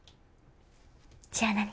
じゃあ何？